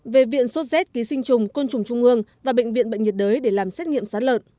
về viện sốt z ký sinh trùng côn trùng trung ương và bệnh viện bệnh nhiệt đới để làm xét nghiệm sán lợn